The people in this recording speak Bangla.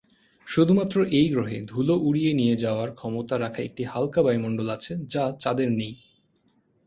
শুধুমাত্র এই গ্রহে ধুলো উড়িয়ে নিয়ে যাওয়ার ক্ষমতা রাখা একটি হালকা বায়ুমণ্ডল আছে, যা চাঁদের নেই।